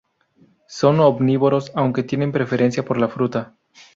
Son omnívoros, aunque tienen preferencia por la fruta.